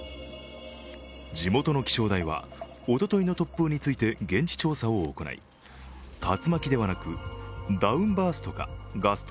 地元の気象台は、おとといの突風について現地調査を行い竜巻ではなくダウンバーストかガスト